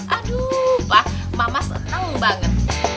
aduh pak mama seneng banget